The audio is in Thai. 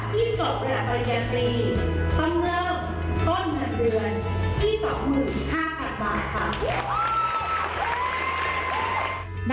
ที่๒๕๐๐๐บาทค่ะ